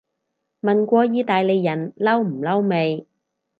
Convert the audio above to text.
問過意大利人嬲唔嬲未